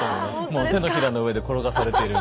もう手のひらの上で転がされてる。